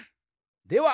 では